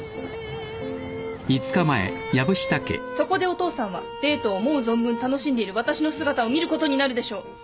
そこでお父さんはデートを思う存分楽しんでいる私の姿を見ることになるでしょう！